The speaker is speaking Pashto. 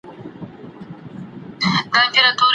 د تدریس پر مهال له نوي ټیکنالوژۍ کار اخیستل کېږي.